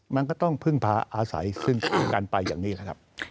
มันก็ต้องพึ่งพาอาศัยซึ่งคู่กันไปอย่างนี้นะครับ